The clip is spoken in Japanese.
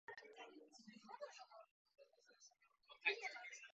映画を一緒に見に行きませんか？